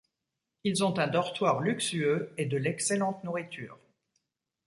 Ils ont un dortoir luxueux et de l'excellente nourriture.